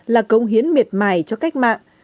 là công hiến miệt mài cho cách mạng